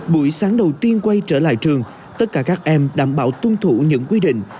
buổi sáng đầu tiên quay trở lại trường tất cả các em đảm bảo tuân thủ những quy định